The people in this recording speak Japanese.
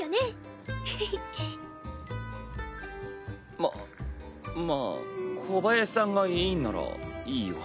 ままあ小林さんがいいんならいいよ。